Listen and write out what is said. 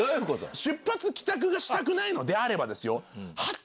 出発帰宅がしたくないのであればはっ！